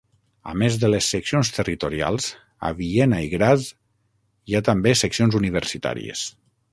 A més de les seccions territorials, a Viena i Graz hi ha també seccions universitàries.